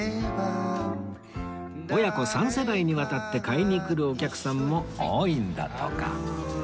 親子三世代にわたって買いに来るお客さんも多いんだとか